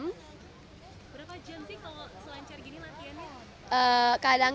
berapa jam sih